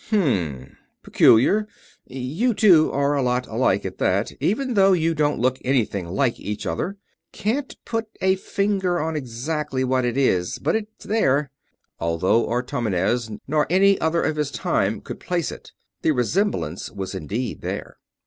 "Hm ... m ... m. Peculiar. You two are a lot alike, at that, even though you don't look anything like each other. ... Can't put a finger on exactly what it is, but it's there." Although Artomenes nor any other of his time could place it, the resemblance was indeed there.